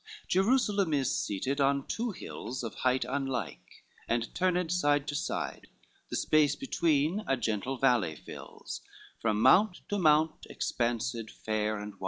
LV Hierusalem is seated on two hills Of height unlike, and turned side to side, The space between, a gentle valley fills, From mount to mount expansed fair and wide.